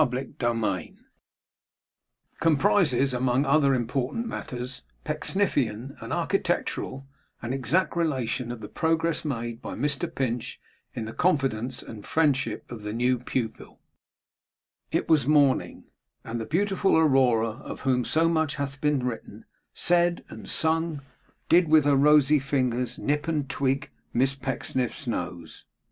CHAPTER SIX COMPRISES, AMONG OTHER IMPORTANT MATTERS, PECKSNIFFIAN AND ARCHITECTURAL, AND EXACT RELATION OF THE PROGRESS MADE BY MR PINCH IN THE CONFIDENCE AND FRIENDSHIP OF THE NEW PUPIL It was morning; and the beautiful Aurora, of whom so much hath been written, said, and sung, did, with her rosy fingers, nip and tweak Miss Pecksniff's nose.